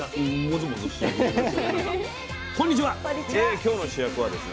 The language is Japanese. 今日の主役はですね